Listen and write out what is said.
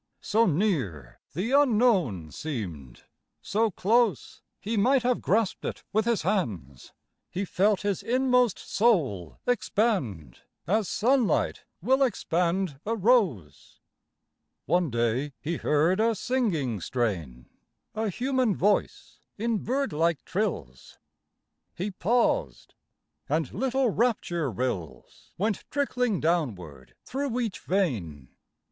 So near the Unknown seemed, so close He might have grasped it with his hands He felt his inmost soul expand, As sunlight will expand a rose One day he heard a singing strain— A human voice, in bird like trills. He paused, and little rapture rills Went trickling downward through each vein.